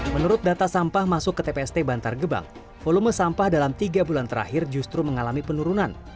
menurut data sampah masuk ke tpst bantar gebang volume sampah dalam tiga bulan terakhir justru mengalami penurunan